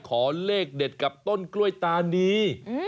ขอเลขเด็ดกับต้นกล้วยตานี